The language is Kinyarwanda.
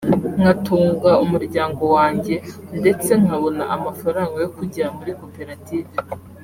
nkatunga umuryango wanjye ndetse nkabona amafaranga yo kujya muri koperative